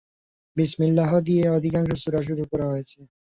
বিসমিল্লাহ দিয়েই অধিকাংশ সূরা শুরু করা হয়েছে।